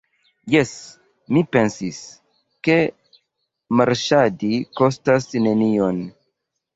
Jes, mi pensis, ke marŝadi kostas nenion.